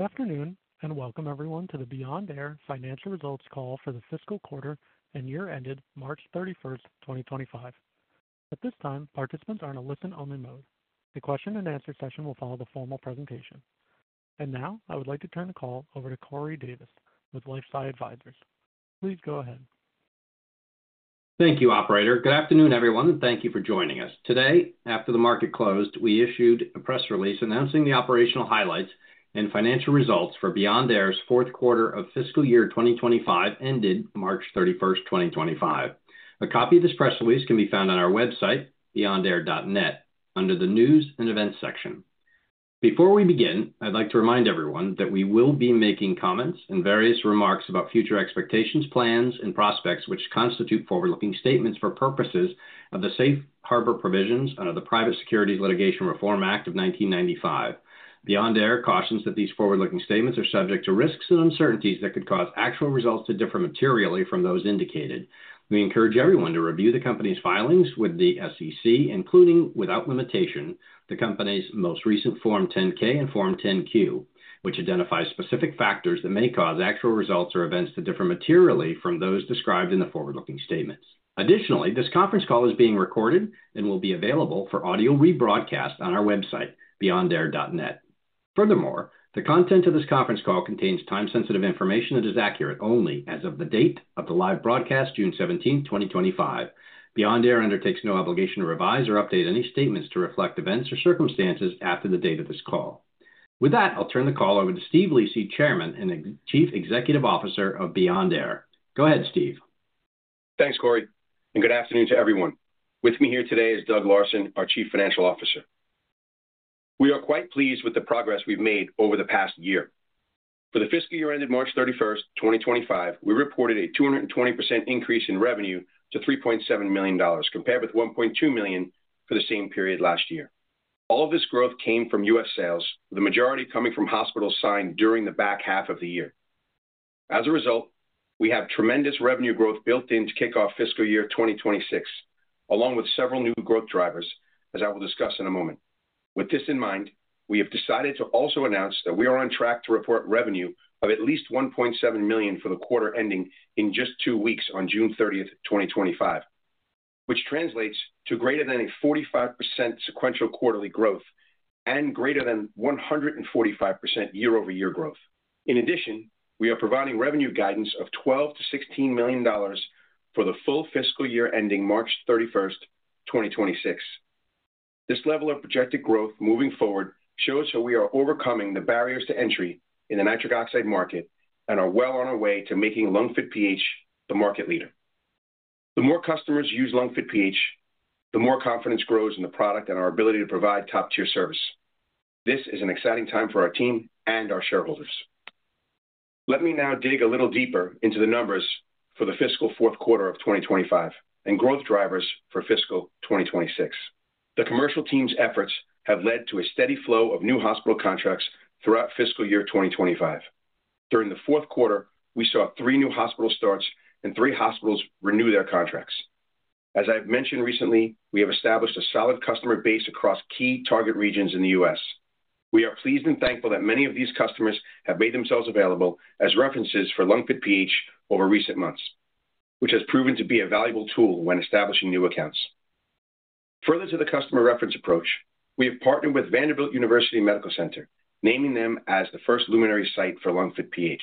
Good afternoon and welcome everyone to the Beyond Air Financial Results Call for the fiscal quarter and year ended March 31, 2025. At this time, participants are in a listen-only mode. The question-and-answer session will follow the formal presentation. I would like to turn the call over to Corey Davis, with LifeSci Advisors. Please go ahead. Thank you, Operator. Good afternoon, everyone, and thank you for joining us. Today, after the market closed, we issued a press release announcing the operational highlights and financial results for Beyond Air's Fourth Quarter of Fiscal Year 2025 ended March 31, 2025. A copy of this press release can be found on our website, beyondair.net, under the News and Events section. Before we begin, I'd like to remind everyone that we will be making comments and various remarks about future expectations, plans, and prospects which constitute forward-looking statements for purposes of the Safe Harbor Provisions under the Private Securities Litigation Reform Act of 1995. Beyond Air, cautions that these forward-looking statements are subject to risks and uncertainties that could cause actual results to differ materially from those indicated. We encourage everyone to review the company's filings with the SEC, including without limitation, the company's most recent Form 10-K and Form 10-Q, which identify specific factors that may cause actual results or events to differ materially from those described in the forward-looking statements. Additionally, this conference call is being recorded and will be available for audio rebroadcast on our website, beyondair.net. Furthermore, the content of this conference call contains time-sensitive information that is accurate only as of the date of the live broadcast, June 17th, 2025. Beyond Air, undertakes no obligation to revise or update any statements to reflect events or circumstances after the date of this call. With that, I'll turn the call over to Steve Lisi, Chairman and Chief Executive Officer of Beyond Air. Go ahead, Steve. Thanks, Corey, and good afternoon to everyone. With me here today is Doug Larson, our Chief Financial Officer. We are quite pleased with the progress we've made over the past year. For the fiscal year ended March 31, 2025, we reported a 220%, increase in revenue, to $3.7 million, compared with $1.2 million, for the same period last year. All of this growth came from U.S. sales, with the majority coming from hospitals signed during the back half of the year. As a result, we have tremendous revenue growth built in to kick off fiscal year 2026, along with several new growth drivers, as I will discuss in a moment. With this in mind, we have decided to also announce that we are on track to report revenue, of at least $1.7 million, for the quarter ending in just two weeks on June 30, 2025, which translates to greater than 45%, sequential quarterly growth, and greater than 145%, year-over-year growth. In addition, we are providing revenue guidance, of $12-$16 million, for the full fiscal year ending March 31, 2026. This level of projected growth, moving forward shows how we are overcoming the barriers to entry in the nitric oxide market, and are well on our way to making LungFit PH, the market leader. The more customers use LungFit PH, the more confidence grows in the product and our ability to provide top-tier service. This is an exciting time for our team and our shareholders. Let me now dig a little deeper into the numbers for the fiscal fourth quarter of 2025 and growth drivers for fiscal 2026. The commercial team's efforts have led to a steady flow of new hospital contracts throughout fiscal year 2025. During the fourth quarter, we saw three new hospital starts and three hospitals renew their contracts. As I've mentioned recently, we have established a solid customer base across key target regions in the U.S. We are pleased and thankful that many of these customers have made themselves available as references for LungFit PH, over recent months, which has proven to be a valuable tool when establishing new accounts. Further to the customer reference approach, we have partnered with Vanderbilt University Medical Center, naming them as the first luminary site for LungFit PH.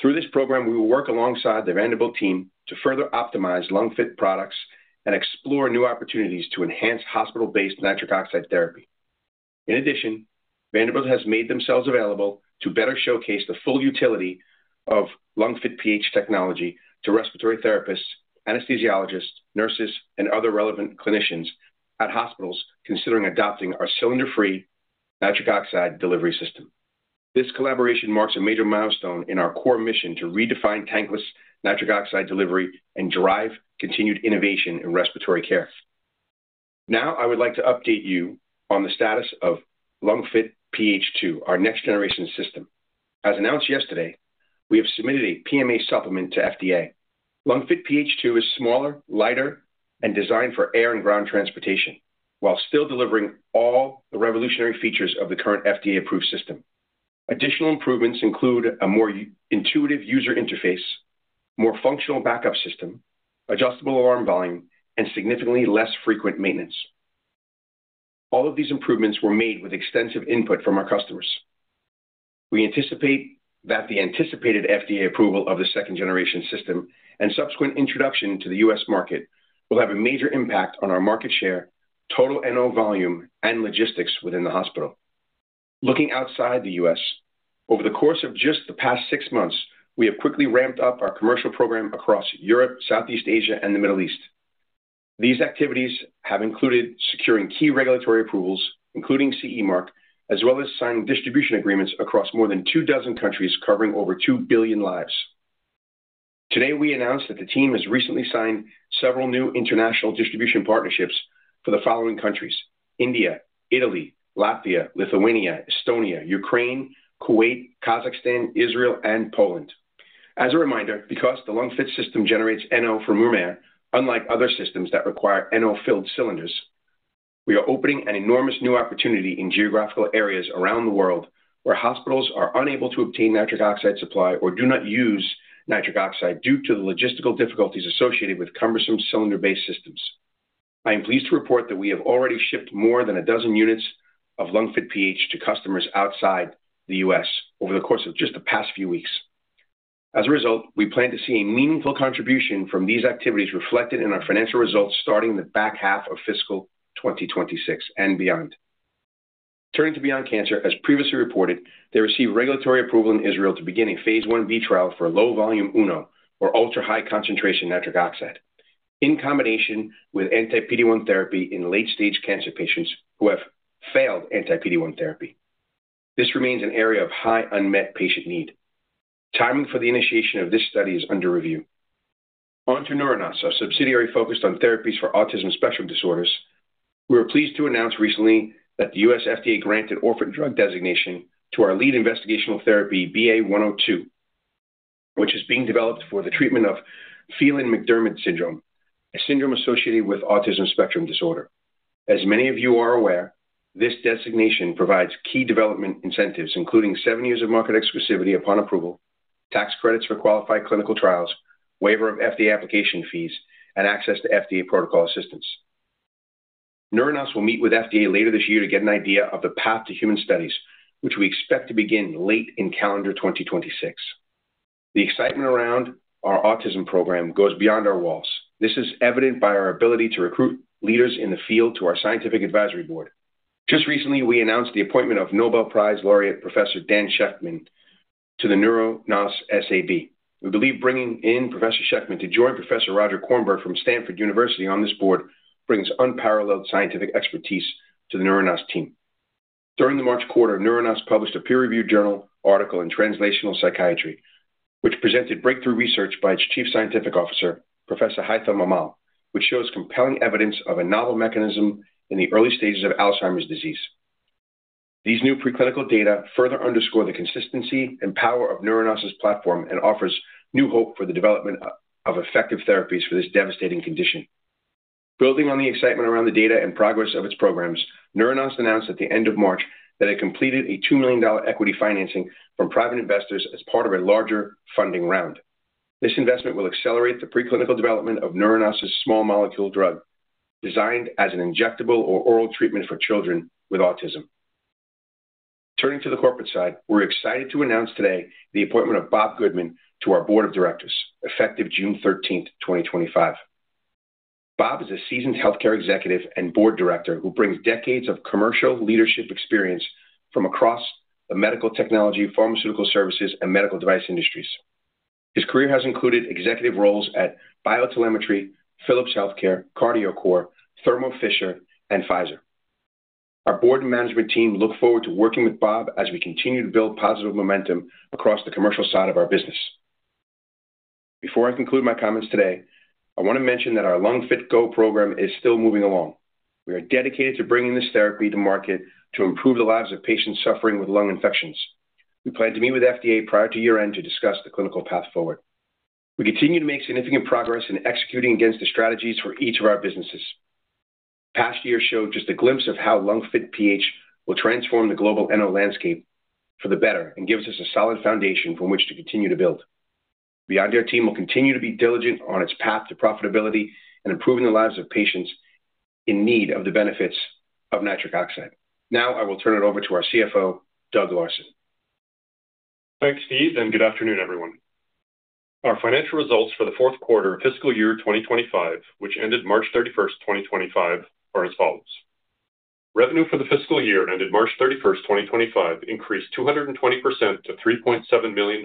Through this program, we will work alongside the Vanderbilt team, to further optimize LungFit products, and explore new opportunities to enhance hospital-based nitric oxide therapy. In addition, Vanderbilt, has made themselves available to better showcase the full utility of LungFit PH technology, to respiratory therapists, anesthesiologists, nurses, and other relevant clinicians at hospitals considering adopting our cylinder-free nitric oxide delivery system. This collaboration marks a major milestone in our core mission to redefine tankless nitric oxide delivery and drive continued innovation in respiratory care. Now, I would like to update you on the status of LungFit PH2, our next-generation system. As announced yesterday, we have submitted a PMA supplement to FDA. LungFit PH2 is smaller, lighter, and designed for air and ground transportation, while still delivering all the revolutionary features of the current FDA-approved system. Additional improvements include a more intuitive user interface, more functional backup system, adjustable alarm volume, and significantly less frequent maintenance. All of these improvements were made with extensive input from our customers. We anticipate that the anticipated FDA approval of the second-generation system and subsequent introduction to the U.S. market will have a major impact on our market share, total NO volume, and logistics within the hospital. Looking outside the U.S., over the course of just the past six months, we have quickly ramped up our commercial program across Europe, Southeast Asia, and the Middle East. These activities have included securing key regulatory approvals, including CE Mark, as well as signing distribution agreements across more than two dozen countries covering over 2 billion lives. Today, we announced that the team has recently signed several new international distribution partnerships for the following countries: India, Italy, Latvia, Lithuania, Estonia, Ukraine, Kuwait, Kazakhstan, Israel, and Poland. As a reminder, because the LungFit system, generates NO from room air, unlike other systems that require NO-filled cylinders, we are opening an enormous new opportunity in geographical areas around the world where hospitals are unable to obtain nitric oxide supply or do not use nitric oxide, due to the logistical difficulties associated with cumbersome cylinder-based systems. I am pleased to report that we have already shipped more than a dozen units of LungFit PH, to customers outside the U.S. over the course of just the past few weeks. As a result, we plan to see a meaningful contribution from these activities reflected in our financial results starting in the back half of fiscal 2026 and beyond. Turning to Beyond Cancer, as previously reported, they received regulatory approval in Israel, to begin a phase I B trial, for Low-volume Uno, or ultra-high concentration nitric oxide, in combination with anti-PD-1 therapy, in late-stage cancer patients who have failed anti-PD-1 therapy. This remains an area of high unmet patient need. Timing for the initiation of this study is under review. On to Neuronas, our subsidiary focused on therapies for autism spectrum disorders. We were pleased to announce recently that the U.S. FDA, granted orphan drug designation to our lead investigational therapy, BA-102, which is being developed for the treatment of Phelan-McDermid syndrome, a syndrome associated with autism spectrum disorder. As many of you are aware, this designation provides key development incentives, including seven years of market exclusivity upon approval, tax credits for qualified clinical trials, waiver of FDA application fees, and access to FDA protocol assistance. Neuronas, will meet with FDA, later this year to get an idea of the path to human studies, which we expect to begin late in calendar 2026. The excitement around our autism program goes beyond our walls. This is evident by our ability to recruit leaders in the field to our scientific advisory board. Just recently, we announced the appointment of Nobel Prize Laureate, Professor Dan Shechtman, to the Neuronas SAB. We believe bringing in Professor Shechtman,, to join Professor Roger Kornberg from Stanford University on this board brings unparalleled scientific expertise to the Neuronas team. During the March quarter, Neuronas, published a peer-reviewed journal article in Translational Psychiatry, which presented breakthrough research by its Chief Scientific Officer, Professor Haitham Amal, which shows compelling evidence of a novel mechanism in the early stages of Alzheimer's disease. These new preclinical data further underscore the consistency and power of Neuronas' platform, and offer new hope for the development of effective therapies for this devastating condition. Building on the excitement around the data and progress of its programs, Neuronas, announced at the end of March that it completed a $2 million, equity financing, from private investors as part of a larger funding round. This investment will accelerate the preclinical development of Neuronas', small molecule drug designed as an injectable or oral treatment for children with autism. Turning to the corporate side, we're excited to announce today the appointment of Bob Goodman, to our board of directors, effective June 13, 2025. Bob, is a seasoned healthcare executive and board director, who brings decades of commercial leadership experience from across the medical technology, pharmaceutical services, and medical device industries. His career has included executive roles at Biotelemetry, Philips Healthcare, CardioCore, Thermo Fisher, and Pfizer. Our board and management team, look forward to working with Bob, as we continue to build positive momentum across the commercial side of our business. Before I conclude my comments today, I want to mention that our LungFit Go program, is still moving along. We are dedicated to bringing this therapy to market to improve the lives of patients suffering with lung infections. We plan to meet with FDA, prior to year-end to discuss the clinical path forward. We continue to make significant progress in executing against the strategies for each of our businesses. Past years showed just a glimpse of how LungFit PH, will transform the global NO landscape for the better and gives us a solid foundation from which to continue to build. Beyond Air team, will continue to be diligent on its path to profitability and improving the lives of patients in need of the benefits of nitric oxide. Now, I will turn it over to our CFO, Doug Larson. Thanks, Steve, and good afternoon, everyone. Our Financial Results for the Fourth Quarter of Fiscal Year 2025, which ended March 31, 2025, are as follows. Revenue, for the fiscal year ended March 31, 2025, increased 220%, to $3.7 million,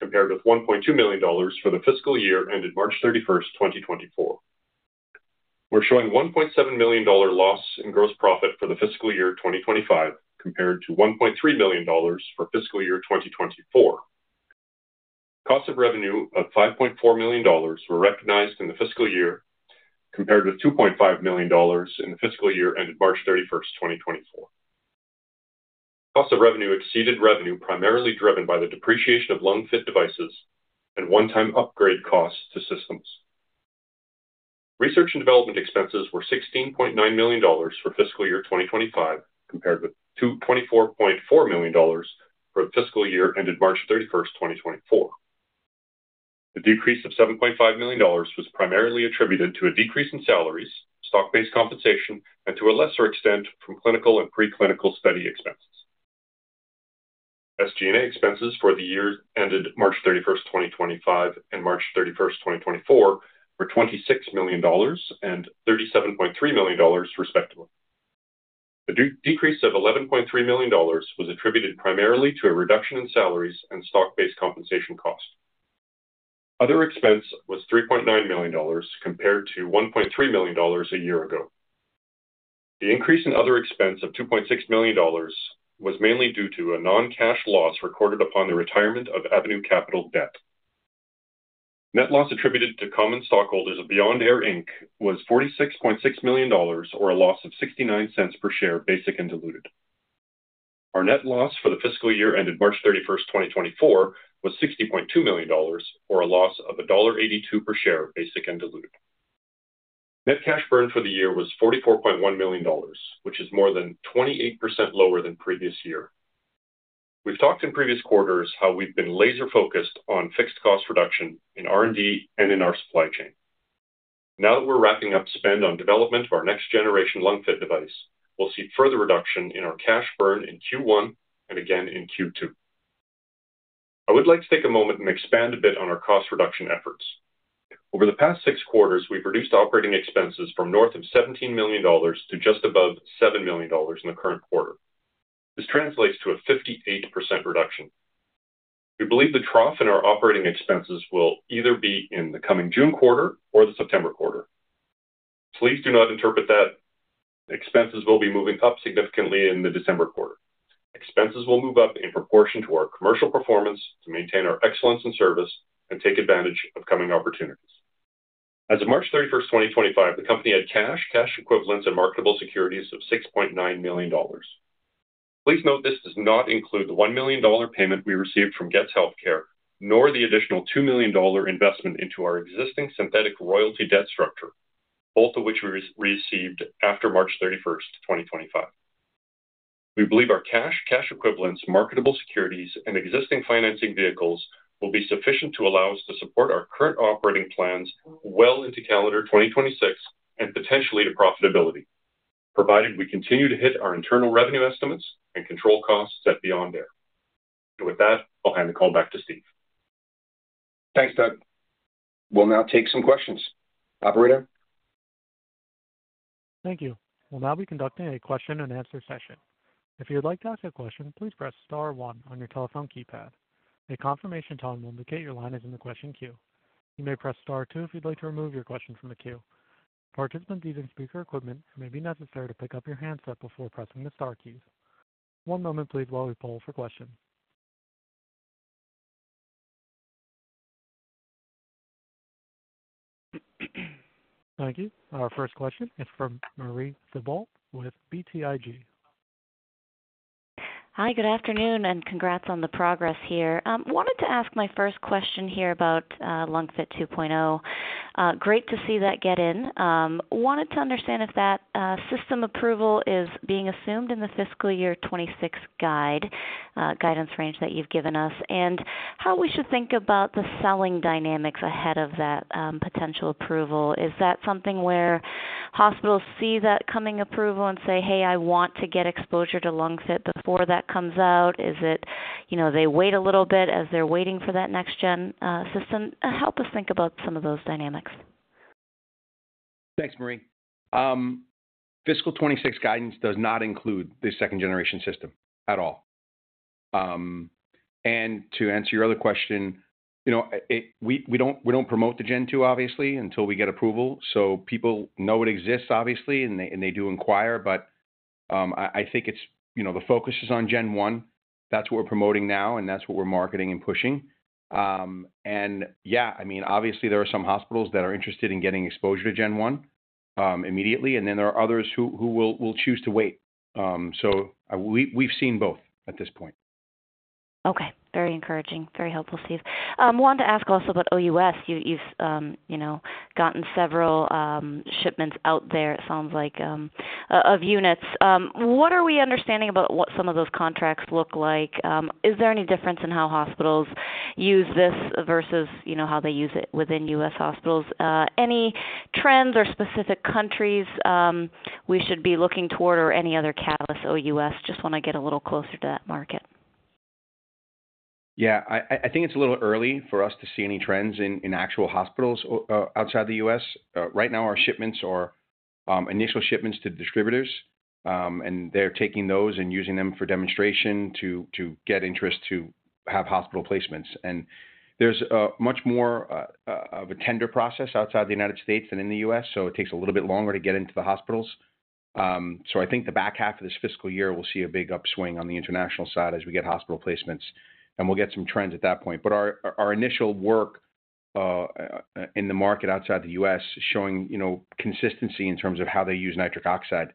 compared with $1.2 million, for the fiscal year ended March 31, 2024. We're showing a $1.7 million, loss in gross profit, for the fiscal year 2025, compared to $1.3 million, for fiscal year 2024. Cost of revenue, of $5.4 million, were recognized in the fiscal year, compared with $2.5 million, in the fiscal year ended March 31, 2024. Cost of revenue, exceeded revenue, primarily driven by the depreciation of LungFit devices, and one-time upgrade costs, to systems. Research and development expenses, were $16.9 million, for fiscal year 2025, compared with $24.4 million, for the fiscal year ended March 31, 2024. The decrease of $7.5 million, was primarily attributed to a decrease in salaries, stock-based compensation, and to a lesser extent from clinical and preclinical study expenses. SG&A expenses, for the year ended March 31, 2025, and March 31, 2024, were $26 million, and $37.3 million, respectively. The decrease of $11.3 million, was attributed primarily to a reduction in salaries, and stock-based compensation cost. Other expense, was $3.9 million, compared to $1.3 million, a year ago. The increase in other expense, of $2.6 million, was mainly due to a non-cash loss, recorded upon the retirement of Avenue Capital debt. Net loss, attributed to common stockholders of Beyond Air, was $46.6 million, or a loss of $0.69 per share, basic and diluted. Our net loss, for the fiscal year ended March 31, 2024, was $60.2 million, or a loss, of $1.82 per share, basic and diluted. Net cash burn, for the year was $44.1 million, which is more than 28%, lower than previous year. We've talked in previous quarters how we've been laser-focused on fixed cost reduction in R&D, and in our supply chain. Now that we're wrapping up spend on development of our next-generation LungFit device, we'll see further reduction in our cash burn, in Q1 and again in Q2. I would like to take a moment and expand a bit on our cost reduction efforts. Over the past six quarters, we've reduced operating expenses, from north of $17 million, to just above $7 million, in the current quarter. This translates to a 58% reduction. We believe the trough in our operating expenses, will either be in the coming June quarter or the September quarter. Please do not interpret that expenses, will be moving up significantly in the December quarter. Expenses, will move up in proportion to our commercial performance to maintain our excellence in service and take advantage of coming opportunities. As of March 31, 2025, the company had cash, cash equivalents, and marketable securities of $6.9 million. Please note this does not include the $1 million, payment we received from Getz Healthcare, nor the additional $2 million, investment into our existing synthetic royalty debt structure, both of which we received after March 31, 2025. We believe our cash, cash equivalents, marketable securities, and existing financing vehicles will be sufficient to allow us to support our current operating plans, well into calendar 2026 and potentially to profitability, provided we continue to hit our internal revenue estimates and control costs at Beyond Air. I'll hand the call back to Steve. Thanks, Doug. We'll now take some questions. Operator. Thank you. We'll now be conducting a question-and-answer session. If you'd like to ask a question, please press Star 1 on your telephone keypad. A confirmation tone will indicate your line is in the question queue. You may press Star 2 if you'd like to remove your question from the queue. Participants using speaker equipment may need to pick up your handset before pressing the Star keys. One moment, please, while we poll for questions. Thank you. Our first question is from Marie Thibaut, with BTIG. Hi, good afternoon, and congrats on the progress here. I wanted to ask my first question here about LungFit PH2. Great to see that get in. I wanted to understand if that system approval is being assumed in the fiscal year 2026 guidance range that you've given us, and how we should think about the selling dynamics ahead of that potential approval. Is that something where hospitals see that coming approval and say, "Hey, I want to get exposure to LungFit, before that comes out"? Is it they wait a little bit as they're waiting for that next-gen system? Help us think about some of those dynamics. Thanks, Marie. Fiscal 2026 guidance, does not include the second-generation system at all. To answer your other question, we do not promote the Gen 2, obviously, until we get approval. People know it exists, obviously, and they do inquire, but I think the focus is on Gen 1. That is what we are promoting now, and that is what we are marketing and pushing. Yeah, I mean, obviously, there are some hospitals that are interested in getting exposure to Gen 1 immediately, and then there are others who will choose to wait. We have seen both at this point. Okay. Very encouraging. Very helpful, Steve. I wanted to ask also about OUS. You've gotten several shipments out there, it sounds like, of units. What are we understanding about what some of those contracts look like? Is there any difference in how hospitals use this versus how they use it within U.S. hospitals? Any trends or specific countries we should be looking toward, or any other catalyst OUS? Just want to get a little closer to that market. Yeah, I think it's a little early for us to see any trends in actual hospitals outside the U.S. Right now, our shipments are initial shipments to distributors, and they're taking those and using them for demonstration to get interest to have hospital placements. There's much more of a tender process outside the United States than in the U.S., so it takes a little bit longer to get into the hospitals. I think the back half of this fiscal year, we'll see a big upswing on the international side as we get hospital placements, and we'll get some trends at that point. Our initial work in the market outside the U.S. is showing consistency in terms of how they use nitric oxide.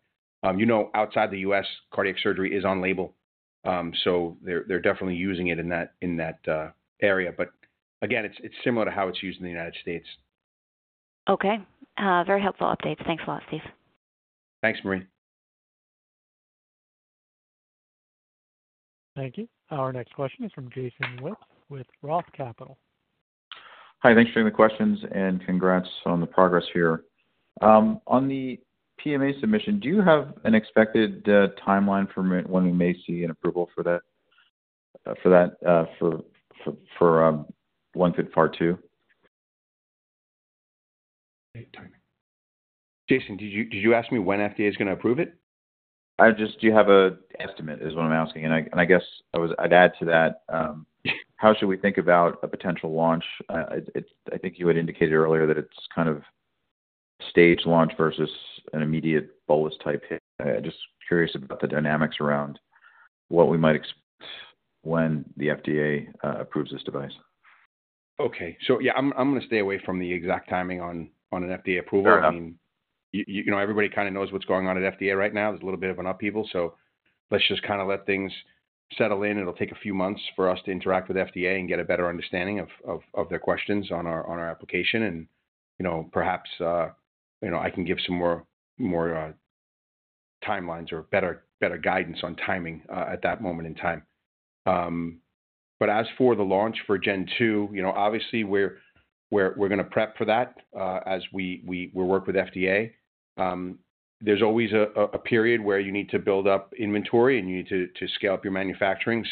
You know, outside the U.S., cardiac surgery is on label, so they're definitely using it in that area. Again, it's similar to how it's used in the United States. Okay. Very helpful updates. Thanks a lot, Steve. Thanks, Marie. Thank you. Our next question is from Jason Woods, with Roth Capital. Hi, thanks for the questions, and congrats on the progress here. On the PMA submission, do you have an expected timeline for when we may see an approval for that for LungFit PH2? Jason, did you ask me when FDA, is going to approve it? I just do you have an estimate is what I'm asking. I guess I'd add to that, how should we think about a potential launch? I think you had indicated earlier that it's kind of staged launch versus an immediate bolus type hit. I'm just curious about the dynamics around what we might expect when the FDA approves this device. Okay. So yeah, I'm going to stay away from the exact timing on an FDA approval. I mean, everybody kind of knows what's going on at FDA right now. There's a little bit of an upheaval. Let's just kind of let things settle in. It'll take a few months for us to interact with FDA, and get a better understanding of their questions on our application. Perhaps I can give some more timelines or better guidance on timing at that moment in time. As for the launch for Gen 2, obviously, we're going to prep for that as we work with FDA. There's always a period where you need to build up inventory and you need to scale up your manufacturing.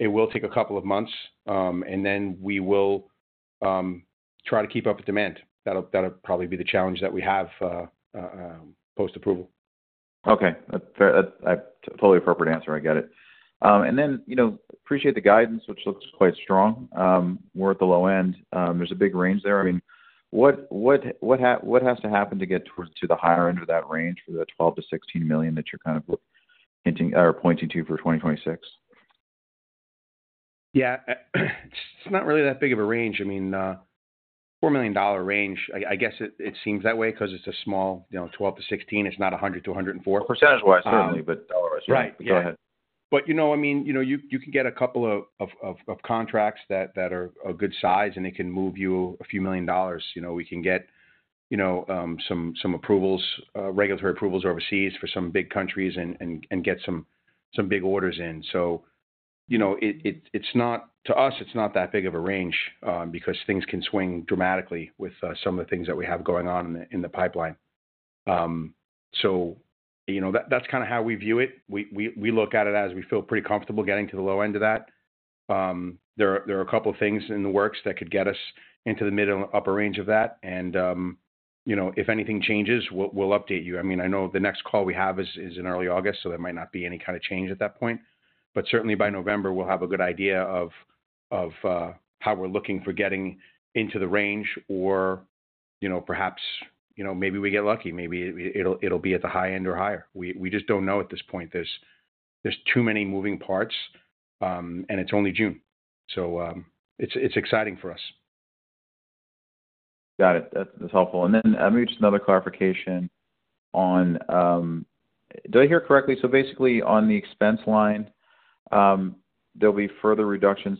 It will take a couple of months, and then we will try to keep up with demand. That'll probably be the challenge that we have post-approval. Okay. That's a totally appropriate answer. I get it. I appreciate the guidance, which looks quite strong. We're at the low end. There's a big range there. I mean, what has to happen to get to the higher end of that range for the $12 million-$16 million, that you're kind of pointing to for 2026? Yeah, it's not really that big of a range. I mean, $4 million range, I guess it seems that way because it's a small 12-16. It's not 100-104. Percentage-wise, certainly, but dollar-wise, certainly. Right. But you know, I mean, you can get a couple of contracts that are a good size, and it can move you a few million dollars. We can get some regulatory approvals overseas for some big countries and get some big orders in. To us, it's not that big of a range because things can swing dramatically with some of the things that we have going on in the pipeline. That's kind of how we view it. We look at it as we feel pretty comfortable getting to the low end of that. There are a couple of things in the works that could get us into the mid and upper range of that. If anything changes, we'll update you. I mean, I know the next call we have is in early August, so there might not be any kind of change at that point. Certainly, by November, we'll have a good idea of how we're looking for getting into the range or perhaps maybe we get lucky. Maybe it'll be at the high end or higher. We just don't know at this point. There are too many moving parts, and it's only June. It is exciting for us. Got it. That's helpful. Maybe just another clarification on, did I hear correctly? Basically, on the expense line, there will be further reductions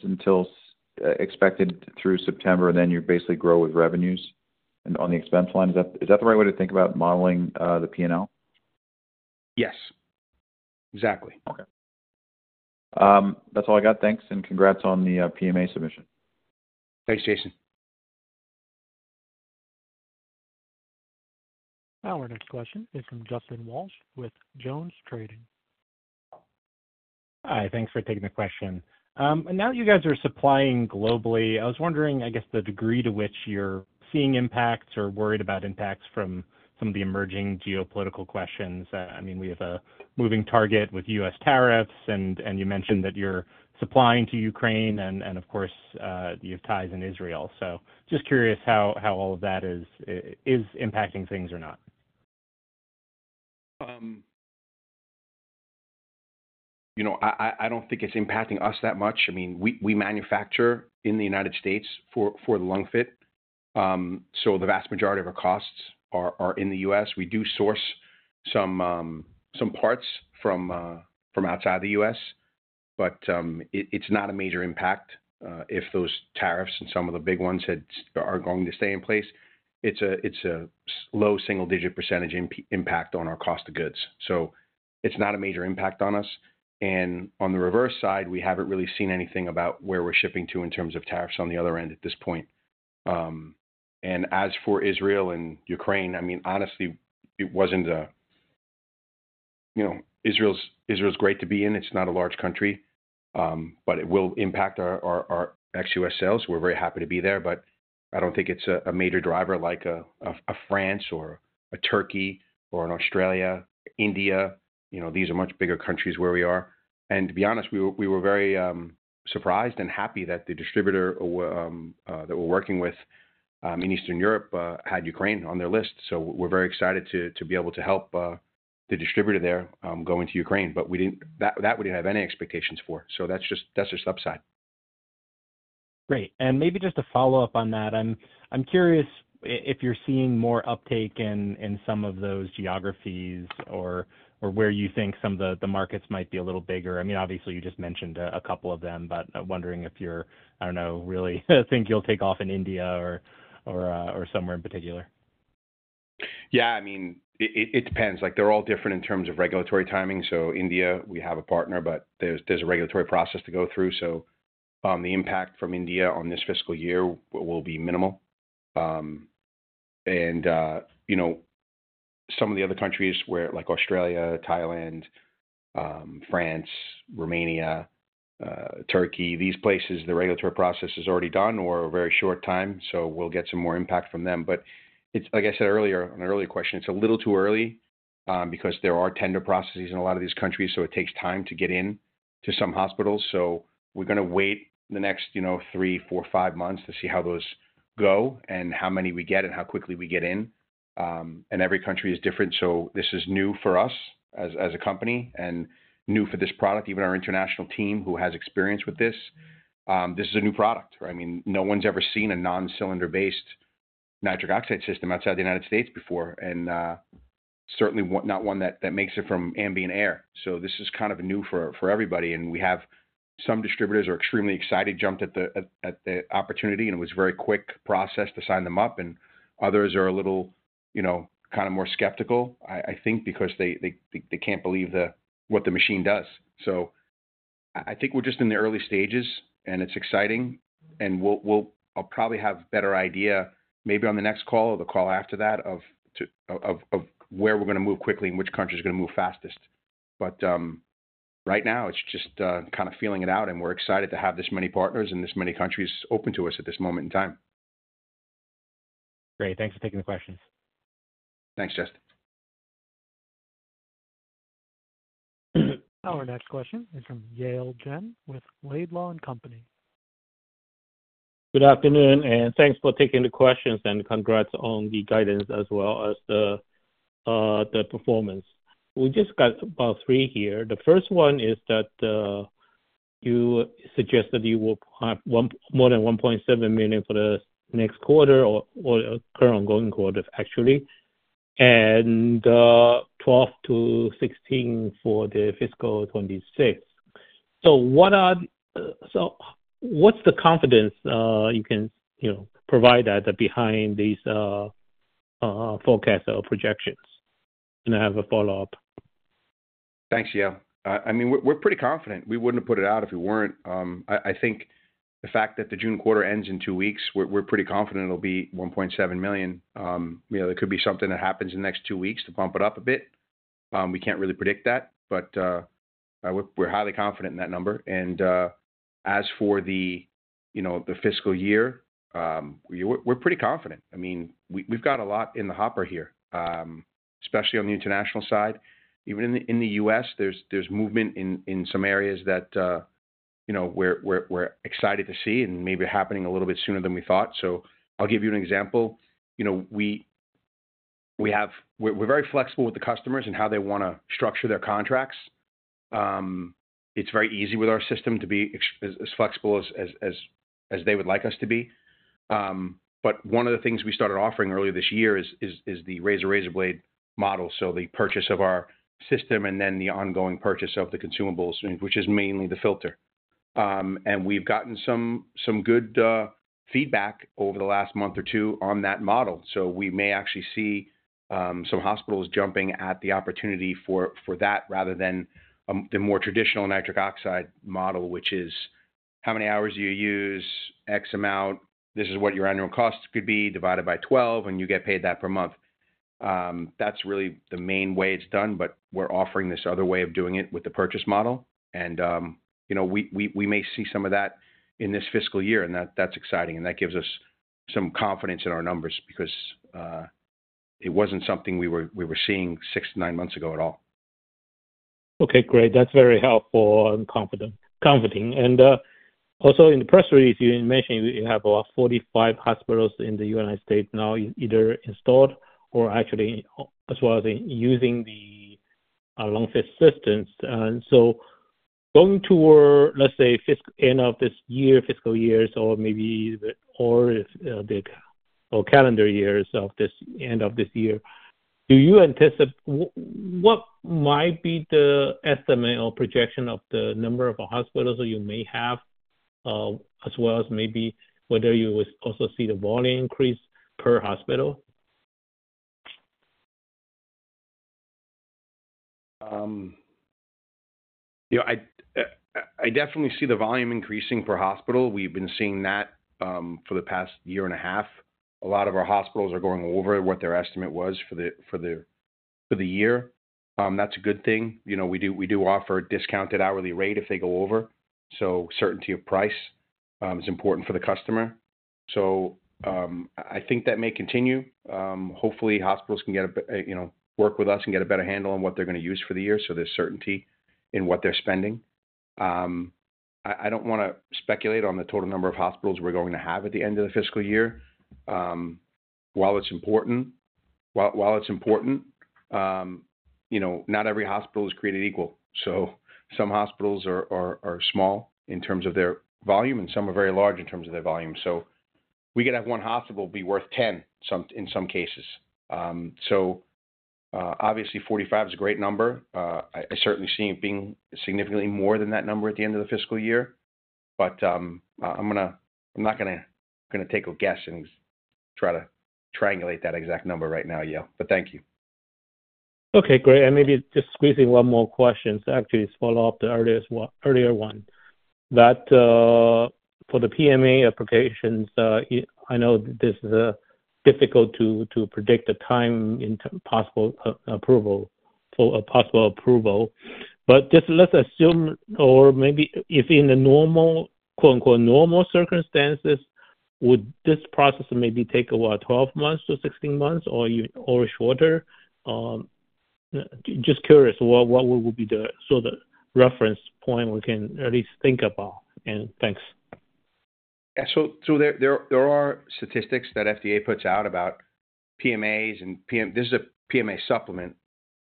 expected through September, and then you basically grow with revenues on the expense line. Is that the right way to think about modeling the P&L? Yes. Exactly. Okay. That's all I got. Thanks. And congrats on the PMA submission. Thanks, Jason. Our next question is from Justin Walsh, with JonesTrading. Hi. Thanks for taking the question. Now that you guys are supplying globally, I was wondering, I guess, the degree to which you're seeing impacts or worried about impacts from some of the emerging geopolitical questions. I mean, we have a moving target with U.S. tariffs, and you mentioned that you're supplying to Ukraine, and of course, you have ties in Israel. Just curious how all of that is impacting things or not. I don't think it's impacting us that much. I mean, we manufacture in the U.S. for the LungFit, so the vast majority of our costs are in the U.S. We do source some parts from outside the U.S., but it's not a major impact if those tariffs and some of the big ones are going to stay in place. It's a low single-digit % impact on our cost of goods. It's not a major impact on us. On the reverse side, we haven't really seen anything about where we're shipping to in terms of tariffs on the other end at this point. As for Israel and Ukraine, I mean, honestly, it wasn't a—Israel's great to be in. It's not a large country, but it will impact our ex-U.S. sales. We're very happy to be there, but I don't think it's a major driver like a France or a Turkey, or an Australia, India. These are much bigger countries where we are. To be honest, we were very surprised and happy that the distributor that we're working with in Eastern Europe, had Ukraine, on their list. We're very excited to be able to help the distributor there go into Ukraine, but that we didn't have any expectations for. That's just a subside. Great. Maybe just to follow up on that, I'm curious if you're seeing more uptake in some of those geographies or where you think some of the markets might be a little bigger. I mean, obviously, you just mentioned a couple of them, but wondering if you're, I don't know, really think you'll take off in India, or somewhere in particular. Yeah, I mean, it depends. They're all different in terms of regulatory timing. India, we have a partner, but there's a regulatory process to go through. The impact from India on this fiscal year will be minimal. Some of the other countries like Australia, Thailand, France, Romania, Turkey, these places, the regulatory process is already done or a very short time, so we'll get some more impact from them. Like I said earlier on an earlier question, it's a little too early because there are tender processes in a lot of these countries, so it takes time to get into some hospitals. We're going to wait the next three, four, five months to see how those go and how many we get and how quickly we get in. Every country is different, so this is new for us as a company and new for this product. Even our international team who has experience with this, this is a new product. I mean, no one's ever seen a non-cylinder-based nitric oxide system outside the United States before, and certainly not one that makes it from ambient air. This is kind of new for everybody. We have some distributors who are extremely excited, jumped at the opportunity, and it was a very quick process to sign them up. Others are a little kind of more skeptical, I think, because they can't believe what the machine does. I think we're just in the early stages, and it's exciting. I'll probably have a better idea maybe on the next call or the call after that of where we're going to move quickly and which country is going to move fastest. Right now, it's just kind of feeling it out, and we're excited to have this many partners and this many countries open to us at this moment in time. Great. Thanks for taking the questions. Thanks, Justin. Our next question is from Yale Jen, with Laidlaw and Company. Good afternoon, and thanks for taking the questions and congrats on the guidance as well as the performance. We just got about three here. The first one is that you suggested you will have more than $1.7 million, for the next quarter or current ongoing quarter, actually, and $12 million-$16 million, for the fiscal 2026. What is the confidence you can provide that are behind these forecasts or projections? I have a follow-up. Thanks, Yale. I mean, we're pretty confident. We wouldn't have put it out if we weren't. I think the fact that the June quarter ends in two weeks, we're pretty confident it'll be $1.7 million. There could be something that happens in the next two weeks to bump it up a bit. We can't really predict that, but we're highly confident in that number. As for the fiscal year, we're pretty confident. I mean, we've got a lot in the hopper here, especially on the international side. Even in the U.S., there's movement in some areas that we're excited to see and maybe happening a little bit sooner than we thought. I'll give you an example. We're very flexible with the customers and how they want to structure their contracts. It's very easy with our system to be as flexible as they would like us to be. One of the things we started offering earlier this year is the razor razor blade model. The purchase of our system and then the ongoing purchase of the consumables, which is mainly the filter. We have gotten some good feedback over the last month or two on that model. We may actually see some hospitals jumping at the opportunity for that rather than the more traditional nitric oxide model, which is how many hours you use, X amount, this is what your annual cost could be divided by 12, and you get paid that per month. That is really the main way it is done, but we are offering this other way of doing it with the purchase model. We may see some of that in this fiscal year, and that is exciting. That gives us some confidence in our numbers because it was not something we were seeing six to nine months ago at all. Okay, great. That's very helpful and confident. Also, in the press release, you mentioned you have about 45 hospitals in the United States now either installed or actually as well as using the LungFit systems. Going toward, let's say, end of this year, fiscal years, or maybe calendar years of this end of this year, do you anticipate what might be the estimate or projection of the number of hospitals you may have as well as maybe whether you will also see the volume increase per hospital? I definitely see the volume increasing per hospital. We've been seeing that for the past year and a half. A lot of our hospitals are going over what their estimate was for the year. That's a good thing. We do offer a discounted hourly rate if they go over. Certainty of price is important for the customer. I think that may continue. Hopefully, hospitals can work with us and get a better handle on what they're going to use for the year, so there's certainty in what they're spending. I don't want to speculate on the total number of hospitals we're going to have at the end of the fiscal year. While it's important, not every hospital is created equal. Some hospitals are small in terms of their volume, and some are very large in terms of their volume. We could have one hospital be worth 10 in some cases. Obviously, 45 is a great number. I certainly see it being significantly more than that number at the end of the fiscal year. I am not going to take a guess and try to triangulate that exact number right now, Yale. Thank you. Okay, great. Maybe just squeezing one more question, actually, is follow up the earlier one. For the PMA applications, I know this is difficult to predict the time for a possible approval. Just let's assume, or maybe if in the "normal" circumstances, would this process maybe take about 12-16 months or shorter? Just curious, what would be the sort of reference point we can at least think about? Thanks. Yeah. There are statistics that FDA, puts out about PMAs. This is a PMA supplement.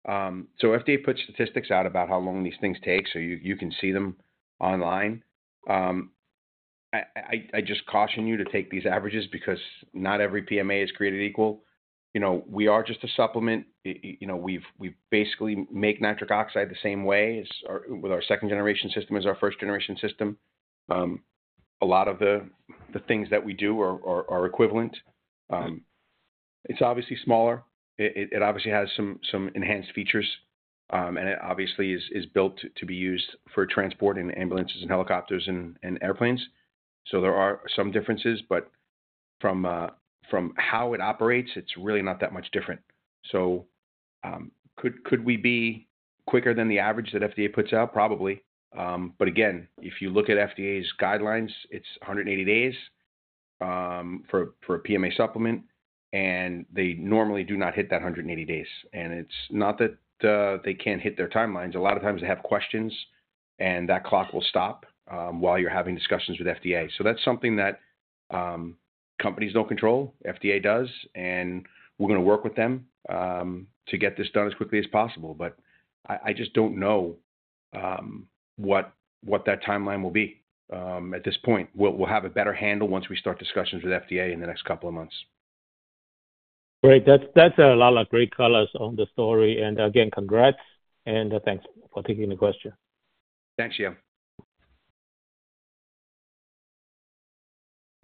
FDA, puts statistics out about how long these things take, so you can see them online. I just caution you to take these averages because not every PMA, is created equal. We are just a supplement. We basically make nitric oxide, the same way with our second-generation system as our first-generation system. A lot of the things that we do are equivalent. It is obviously smaller. It obviously has some enhanced features, and it obviously is built to be used for transport and ambulances and helicopters and airplanes. There are some differences, but from how it operates, it is really not that much different. Could we be quicker than the average that FDA, puts out? Probably. If you look at FDA's guidelines, it's 180 days, for a PMA supplement, and they normally do not hit that 180 days. It's not that they can't hit their timelines. A lot of times they have questions, and that clock will stop while you're having discussions with FDA. That's something that companies don't control. FDA does, and we're going to work with them to get this done as quickly as possible. I just don't know what that timeline will be at this point. We'll have a better handle once we start discussions with FDA, in the next couple of months. Great. That is a lot of great colors on the story. Again, congrats and thanks for taking the question. Thanks, Yale.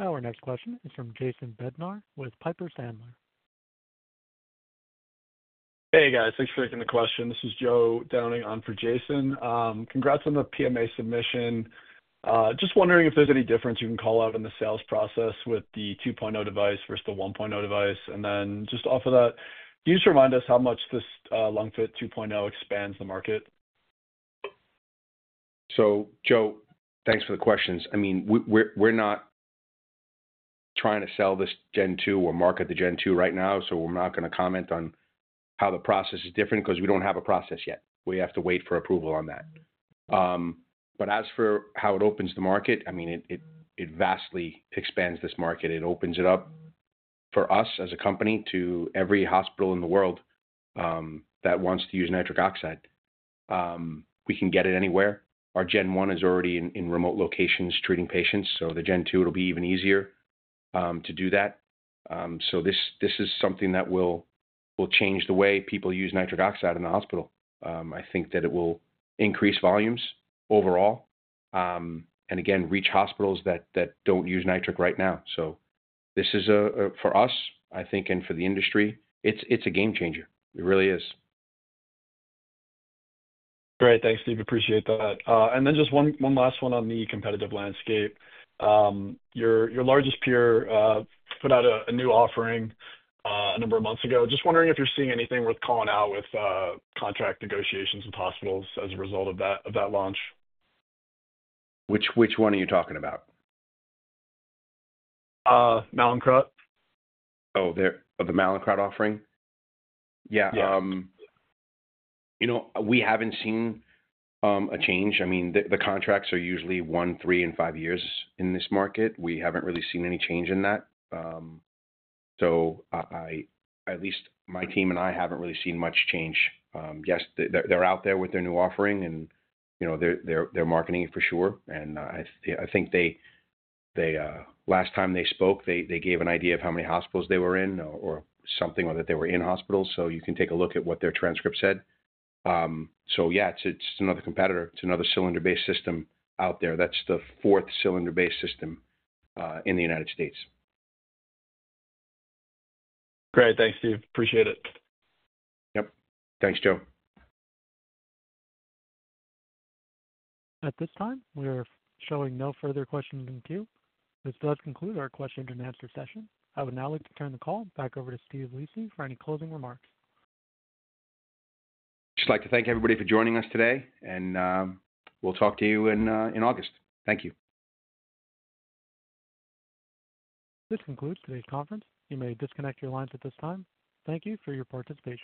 Our next question is from Jason Bednar, with Piper Sandler. Hey, guys. Thanks for taking the question. This is Joe Downing on for Jason. Congrats on the PMA submission. Just wondering if there's any difference you can call out in the sales process with the 2.0 device versus the 1.0 device. And then just off of that, can you just remind us how much this LungFit 2.0, expands the market? Joe, thanks for the questions. I mean, we're not trying to sell this Gen 2, or market the Gen 2, right now, so we're not going to comment on how the process is different because we don't have a process yet. We have to wait for approval on that. As for how it opens the market, I mean, it vastly expands this market. It opens it up for us as a company to every hospital in the world that wants to use nitric oxide. We can get it anywhere. Our Gen 1, is already in remote locations treating patients, so the Gen 2, it'll be even easier to do that. This is something that will change the way people use nitric oxide in the hospital. I think that it will increase volumes overall and, again, reach hospitals that don't use nitric right now. This is, for us, I think, and for the industry, it's a game changer. It really is. Great. Thanks, Steve. Appreciate that. Just one last one on the competitive landscape. Your largest peer put out a new offering a number of months ago. Just wondering if you're seeing anything worth calling out with contract negotiations with hospitals as a result of that launch. Which one are you talking about? Mallinckrodt. Oh, the Mallinckrodt offering? Yeah. We haven't seen a change. I mean, the contracts are usually one, three, and five years in this market. We haven't really seen any change in that. At least my team and I haven't really seen much change. Yes, they're out there with their new offering, and they're marketing it for sure. I think last time they spoke, they gave an idea of how many hospitals they were in or something or that they were in hospitals. You can take a look at what their transcript said. Yeah, it's just another competitor. It's another cylinder-based system out there. That's the fourth cylinder-based system in the United States. Great. Thanks, Steve. Appreciate it. Yep. Thanks, Joe. At this time, we are showing no further questions in queue. This does conclude our question-and-answer session. I would now like to turn the call back over to Steve Lisi, for any closing remarks. Just like to thank everybody for joining us today, and we'll talk to you in August. Thank you. This concludes today's conference. You may disconnect your lines at this time. Thank you for your participation.